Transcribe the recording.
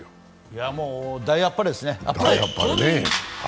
いや、もう、大あっぱれですね。